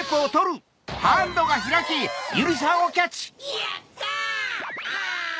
やった！